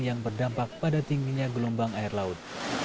yang berdampak pada tingginya gelombang air laut